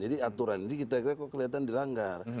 jadi aturan ini kita lihatnya dilanggar